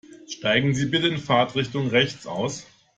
Steigen Sie bitte in Fahrtrichtung rechts aus.